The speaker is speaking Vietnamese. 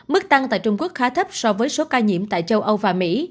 mức tăng tại trung quốc khá thấp so với số ca nhiễm tại châu âu và mỹ